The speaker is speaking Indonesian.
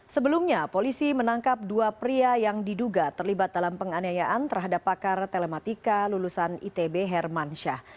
sebelumnya polisi menangkap dua pria yang diduga terlibat dalam penganiayaan terhadap pakar telematika lulusan itb hermansyah